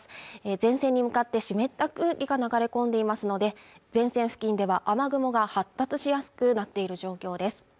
前線に向かって湿った空気が流れ込んでいますので前線付近では雨雲が発達しやすくなっている状況です